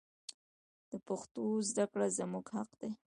د پښتو زده کړه زموږ حق دی.